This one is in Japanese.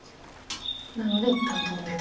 なので一旦トンでと。